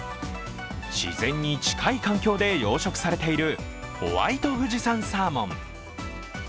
自然に近い環境で養殖されているホワイト富士山サーモン。